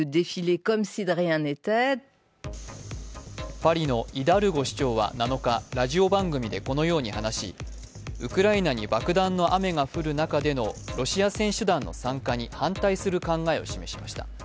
パリのイダルゴ市長は７日、ラジオ番組で、このように話しウクライナに爆弾の雨が降る中でのロシア選手団の参加に反対する考えを示しました。